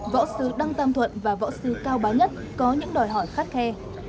võ sư đăng tam thuận và võ sư cao bá nhất có những đòi hỏi khắt khe